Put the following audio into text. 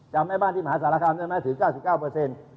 จำไอ้บ้านที่มหาสารคามได้ไหมถือ๙๙